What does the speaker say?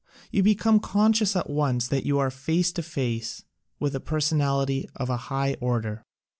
You be come conscious at once that you are face to face with a personality of a high order.